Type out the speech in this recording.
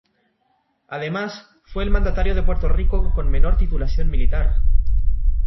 Además, fue el mandatario de Puerto Rico con menor titulación militar.